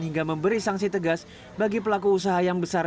hingga memberi sanksi tegas bagi pelaku usaha yang besar